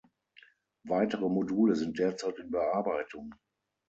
Weitere Module sind derzeit in Bearbeitung.